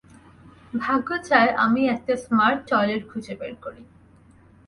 ভাগ্য চায় আমি একটা স্মার্ট টয়লেট খুঁজে বের করি।